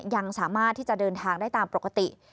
ยังสามารถที่จะเดินทางได้ตามปกติ